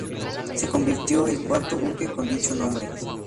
Se convirtió el cuarto buque con dicho nombre.